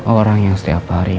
orang yang setiap hari